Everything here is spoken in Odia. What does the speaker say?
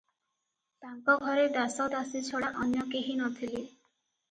ତାଙ୍କ ଘରେ ଦାସ ଦାସୀ ଛଡ଼ା ଅନ୍ୟ କେହି ନ ଥିଲେ ।